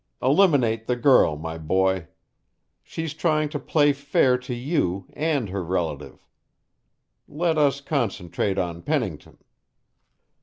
Eliminate the girl, my boy. She's trying to play fair to you and her relative. Let us concentrate on Pennington."